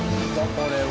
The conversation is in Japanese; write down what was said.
これは。